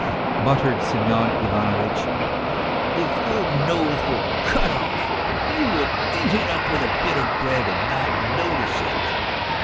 " muttered Semyon Ivano vitch, " if your nose were cut off you would eat it up with a bit of bread and not notice it."